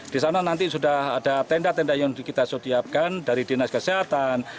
di sana nanti sudah ada tenda tenda yang kita setiapkan dari dinas kesehatan